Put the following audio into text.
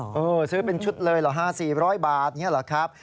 โอ้โฮซื้อเป็นชุดเลยเหรอ๕๔๐๐บาทนี่เหรอครับ